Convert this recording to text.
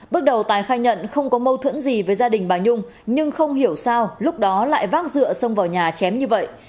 bước đầu tài khai nhận không có mâu thuẫn gì với gia đình bà nhung nhưng không hiểu sao lúc đó lại vác dựa xông vào nhà chém như vậy